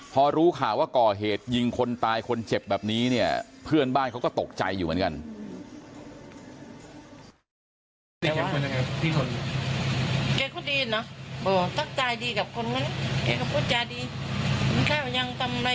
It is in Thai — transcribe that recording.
พอรู้ข่าวว่าก่อเหตุยิงคนตายคนเจ็บแบบนี้เนี่ยเพื่อนบ้านเขาก็ตกใจอยู่เหมือนกัน